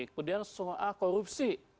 kemudian soal korupsi